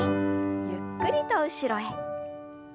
ゆっくりと後ろへ。